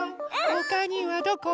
ほかにはどこ？